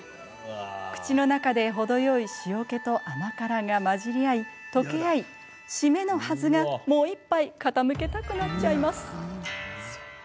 口の中で程よい塩けと甘辛が混じり合い、溶け合いシメのはずがもう１杯傾けたくなっちゃいます。